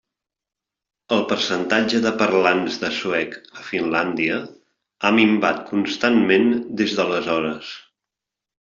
El percentatge de parlants de suec a Finlàndia ha minvat constantment des d'aleshores.